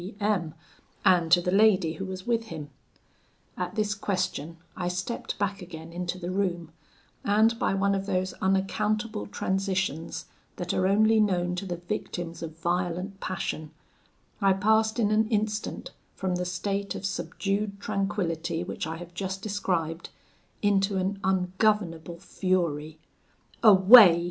G M , and to the lady who was with him? At this question, I stepped back again into the room, and by one of those unaccountable transitions that are only known to the victims of violent passion, I passed in an instant from the state of subdued tranquillity which I have just described, into an ungovernable fury 'Away!'